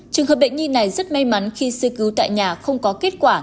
trường hợp bệnh nhi này rất may mắn khi sơ cứu tại nhà không có kết quả